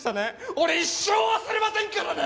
俺一生忘れませんからね！